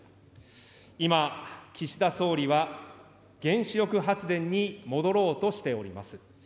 今、岸田総理は原子力発電に戻ろうとしております。